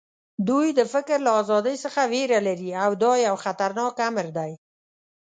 دوی د فکر له ازادۍ څخه وېره لري او دا یو خطرناک امر دی